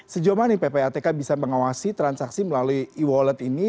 sejauh mana ppatk bisa mengawasi transaksi melalui e wallet ini